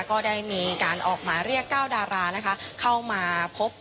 ก็ได้มีการออกมาเรียก๙ดารานะคะ